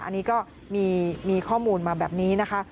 อันนี้ก็มีข้อมูลมาแบบนี้นะคะ